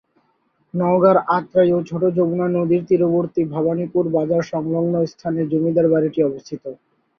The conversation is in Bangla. নওগাঁর আত্রাই ও ছোট যমুনা নদীর তীরবর্তী ভবানীপুর বাজার সংলগ্ন স্থানে জমিদার বাড়িটি অবস্থিত।